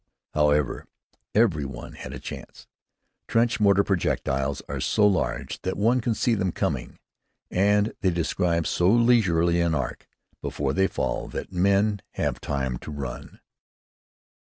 However, every one had a chance. Trench mortar projectiles are so large that one can see them coming, and they describe so leisurely an arc before they fall that men have time to run.